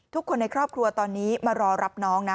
ทุกคนในครอบครัวตอนนี้มารอรับน้องนะ